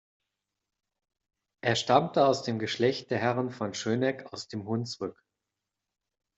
Er stammte aus dem Geschlecht der Herren von Schöneck aus dem Hunsrück.